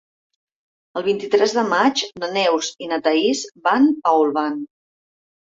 El vint-i-tres de maig na Neus i na Thaís van a Olvan.